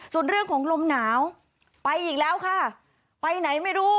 ส่วนเรื่องของลมหนาวไปอีกแล้วค่ะไปไหนไม่รู้